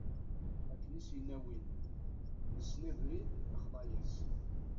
Akken i s-yenna win: nessen abrid nexḍa-as.